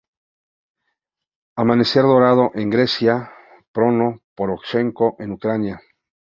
Amanecer Dorado en Grecia, Petró Poroshenko en Ucrania.